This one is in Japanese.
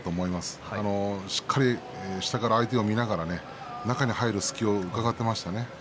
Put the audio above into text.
そしてしっかりと下から相手を見ながら中に入る隙をうかがっていましたね。